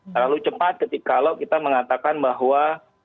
terlalu cepat kalau kita mengatakan bahwa